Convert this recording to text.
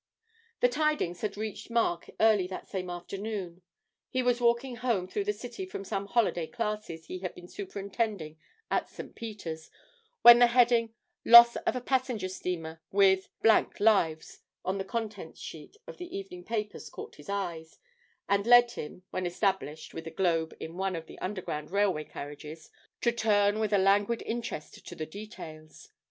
The tidings had reached Mark early that same afternoon. He was walking home through the City from some 'holiday classes' he had been superintending at St. Peter's, when the heading 'Loss of a passenger steamer with lives' on the contents sheets of the evening papers caught his eye, and led him, when established with a 'Globe' in one of the Underground Railway carriages, to turn with a languid interest to the details.